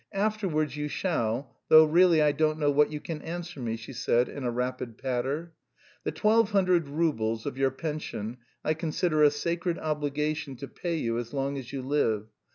Afterwards you shall, though really I don't know what you can answer me," she said in a rapid patter. "The twelve hundred roubles of your pension I consider a sacred obligation to pay you as long as you live.